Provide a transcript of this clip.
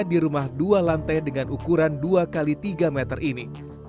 di rumah dua lantai dengan ukuran dua x tiga meter ini